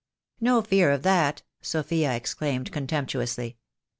"No fear of that," Sophia exclaimed, contemptuously.